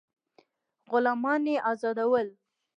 غلامان یې آزادول.